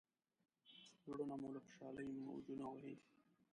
زړونه مو له خوشالۍ موجونه وهي.